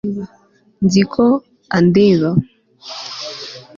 nzi ko andeba